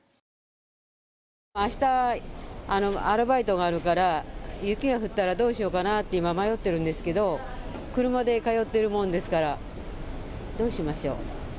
あしたアルバイトがあるから雪が降ったらどうしようかなと迷っているんですが車で通っていますからどうしましょう。